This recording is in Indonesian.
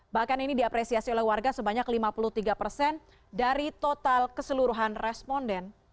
bahkan ini diapresiasi oleh warga sebanyak lima puluh tiga persen dari total keseluruhan responden